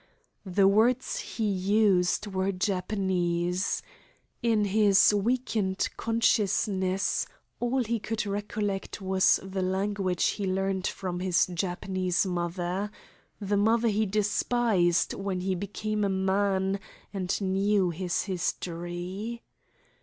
The words he used were Japanese. In his weakened consciousness all he could recollect was the language he learnt from his Japanese mother the mother he despised when he became a man and knew his history.